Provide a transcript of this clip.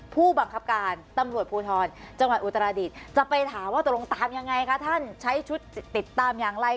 คุณผู้ชมว่าจะลงตามยังไงถ้าท่านใช้ชุดติดตามอย่างไร